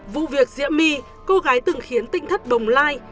vụ việc diễm my cô gái từng khiến tinh thất bồng lai